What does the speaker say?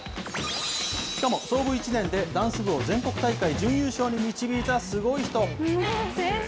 しかも、創部１年でダンス部を全国大会準優勝に導いたすごい人。